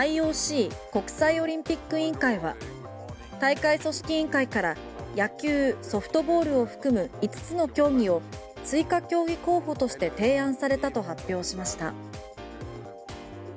ＩＯＣ・国際オリンピック委員会は大会組織委員会から野球・ソフトボールを含む５つの競技を追加競技候補として提案されたと発表しました。